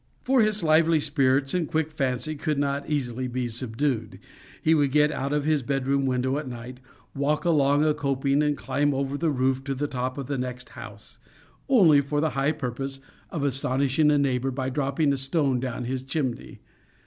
For his lively spirits and quick fancy could not easily be subdued. He would get out of his bed room window at night, walk along a coping, and climb over the roof to the top of the next house, only for the high purpose of astonishing a neighbor by dropping a stone down his chimney.